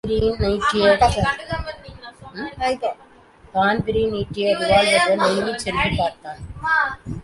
Dan Breen நீட்டிய ரிவால்வருடன் நெருங்கிச் சென்று பார்த்தான்.